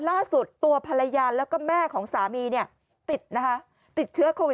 ล่าสุดตัวภรรยาแล้วก็แม่ของสามีติดนะคะติดเชื้อโควิด